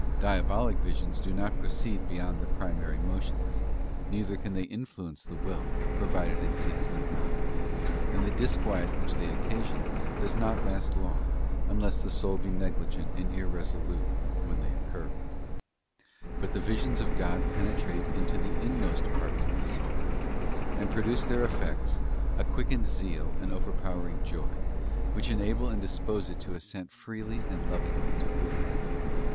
Diabolic visions do not proceed beyond the primary motions, neither can they influence the will, provided it seeks them not; and the disquiet which they occasion does not last long, unless the soul be negligent and irresolute when they occur. But the visions of God penetrate into the inmost parts of the soul, BOOK II. Without de Becomes selfish ; Loses their t5 And the gifts themselves ; 92 THE ASCENT OF MOUNT CARMEL. and produce their effects, a quickened zeal and overpowering joy, which enable and dispose it to assent freely and lovingly to good.